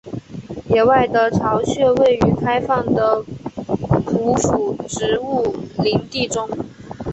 野外的巢穴位于开放的匍匐植物林地中。